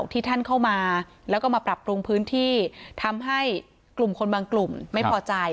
ที่ท่านเข้ามาแล้วก็มาปรับปรุงพื้นที่ทำให้กลุ่มคนบางกลุ่มไม่พอใจ